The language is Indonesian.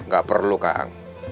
gak perlu kak ang